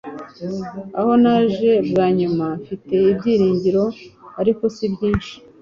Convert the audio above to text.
Aho naje bwa nyuma mfite ibyiringiro ariko sibyinshi